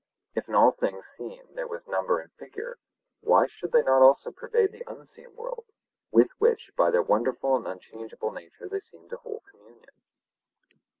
If in all things seen there was number and figure, why should they not also pervade the unseen world, with which by their wonderful and unchangeable nature they seemed to hold communion?